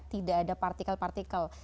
tidak ada partikel partikel